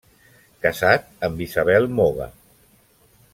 Casat amb Isabel Moga.